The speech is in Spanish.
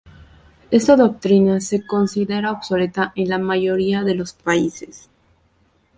Esta doctrina se considera obsoleta en la mayoría de los países.